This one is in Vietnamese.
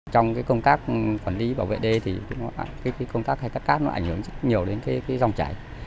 trong cái công tác quản lý bảo vệ đê thì cái công tác khai thác cát nó ảnh hưởng rất nhiều đến cái dòng chảy